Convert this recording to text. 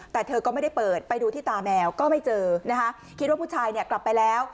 แต่เธอก็ไม่ได้เปิดไปดูที่ตาแมวก็ไม่เจอนะคะคิดว่าผู้ชายเนี่ยกลับไปแล้ว